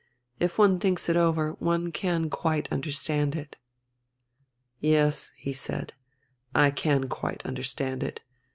If one thinks it over, one can quite understand it." "Yes," he said, "I can quite understand it.